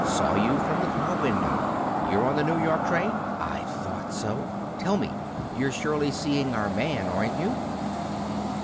Saw you from the car window. You're on the New York train? I thought so. Tell me, you're surely seeing our man, aren't you?"